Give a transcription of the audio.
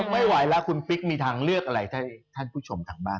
ไม่ไหวแล้วคุณปิ๊กมีทางเลือกอะไรให้ท่านผู้ชมทางบ้าน